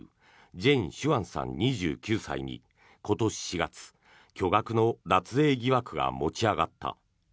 ジェン・シュアンさん、２９歳に今年４月巨額の脱税疑惑が持ち上がった。